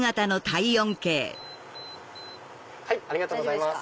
ありがとうございます。